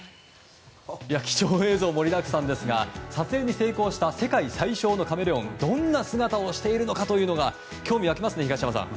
貴重映像盛りだくさんですが撮影に成功した世界最小のカメレオンどんな姿をしているのかというのが興味湧きますね、東山さん。